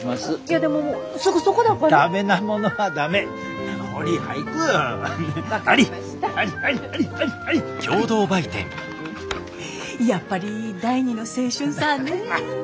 やっぱり第二の青春さぁねぇ。